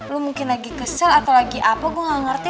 lo mungkin lagi kesel atau lagi apa gue gak ngerti